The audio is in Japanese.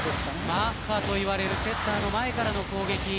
マッハと言われるセッターの前からの攻撃。